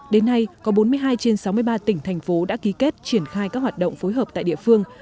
đến nay có bốn mươi hai trên sáu mươi ba tỉnh thành phố đã ký kết triển khai các hoạt động phối hợp tại địa phương